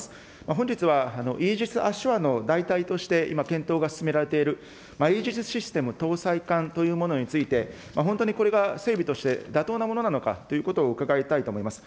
本日はイージス・アショアの代替として今、検討が進められているイージスシステム搭載艦というものについて、本当にこれが整備として妥当なものなのかということを伺いたいと思います。